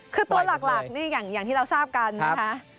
คือตัวหลักหลักนี่อย่างอย่างที่เราทราบกันนะคะครับ